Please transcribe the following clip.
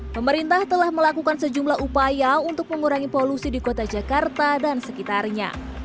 pemerintah telah melakukan sejumlah upaya untuk mengurangi polusi di kota jakarta dan sekitarnya